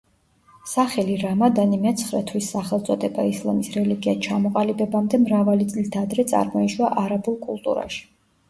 სახელი რამადანი, მეცხრე თვის სახელწოდება ისლამის რელიგიად ჩამოყალიბებამდე მრავალი წლით ადრე წარმოიშვა არაბულ კულტურაში.